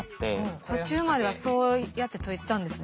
途中まではそうやって解いてたんですね。